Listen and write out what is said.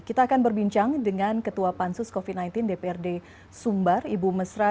kita akan berbincang dengan ketua pansus covid sembilan belas dprd sumbar ibu mesra